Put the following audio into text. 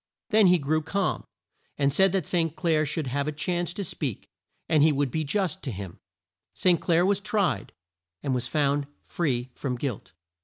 Then he grew calm, and said that St. Clair should have a chance to speak, and he would be just to him. St. Clair was tried, and was found free from guilt.